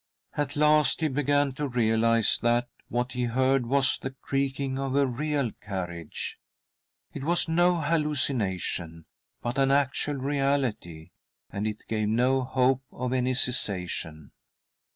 At last he began to realise that, what he heard was the creaking of a real carriage ; it was no hallucination, but an actual reality, and it gave no hope of any cessation.